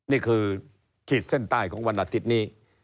นี่คือขีดเส้นใต้ของวันอาทิตย์นี้